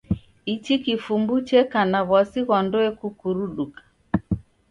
Ichi kifumbu cheka na w'asi ghwa ndoe kukuruduka.